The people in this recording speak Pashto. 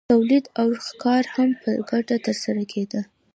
تولید او ښکار هم په ګډه ترسره کیده.